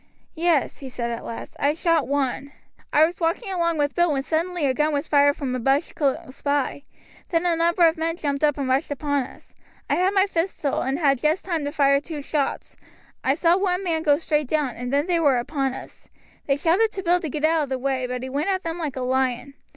"Yes," he said at last, "I shot one. I was walking along with Bill when suddenly a gun was fired from a bush close by; then a number of men jumped up and rushed upon us. I had my pistol, and had just time to fire two shots. I saw one man go straight down, and then they were upon us. They shouted to Bill to get out of the way, but he went at them like a lion.